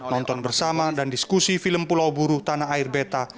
nonton bersama dan diskusi film pulau buru tanah air beta